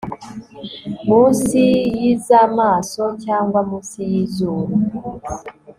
Munsi yzamaso cyangwa munsi yizuru